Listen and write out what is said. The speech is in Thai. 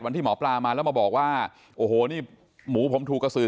ที่หมอปลามาแล้วมาบอกว่าโอ้โหนี่หมูผมถูกกระสือ